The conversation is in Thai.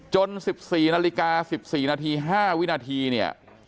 ๑๔นาฬิกา๑๔นาที๕วินาทีเนี่ย